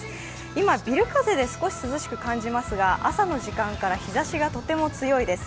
今、ビル風で少し涼しく感じますが朝の時間から日ざしがとても強いです。